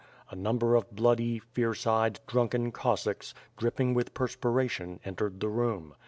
A number of bloody, fierce eyed, drunken Cossacks, dripping with per spiration, entered the room.